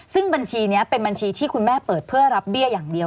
ซึ่งบัญชีนี้เป็นบัญชีที่คุณแม่เปิดเพื่อรับเบี้ยอย่างเดียว